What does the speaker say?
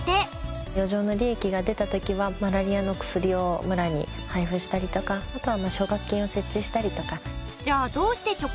余剰の利益が出た時はマラリアの薬を村に配布したりとかあとは奨学金を設置したりとか。